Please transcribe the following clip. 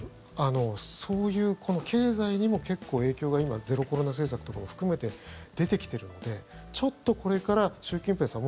そういう経済にも結構影響が今、ゼロコロナ政策とかも含めて出てきているのでちょっとこれから習近平さん